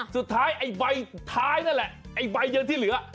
สุดท้ายไอ้ใบท้ายนั่นแหละไาบ่อย่างที่เหลือ